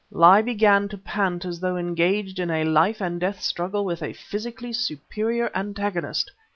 "Li began to pant as though engaged in a life and death struggle with a physically superior antagonist.